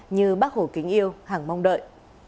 như bác hồ kính yêu hẳng mong đợi